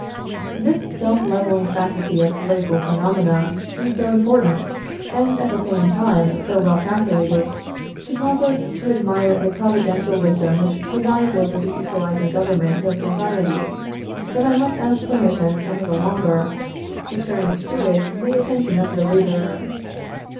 This self leveling faculty of political phenomena is so important, and at the same time so well calculated to cause us to admire the providential wisdom which presides over the equalizing government of society, that I must ask permission a little longer, to turn to it the attention of the reader.